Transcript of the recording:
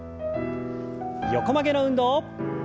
横曲げの運動。